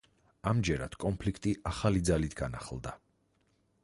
ამჯერად, კონფლიქტი ახალი ძალით განახლდა.